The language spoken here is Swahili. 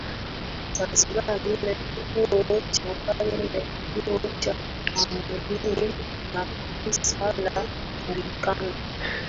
Zanzibar ina Kituo cha Kale na Kituo cha Kitamaduni na Kanisa la Anglikana